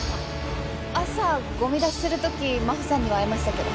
朝ゴミ出しする時真帆さんには会いましたけど。